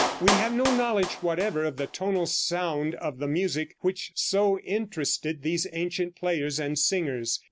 We have no knowledge whatever of the tonal sound of the music which so interested these ancient players and singers.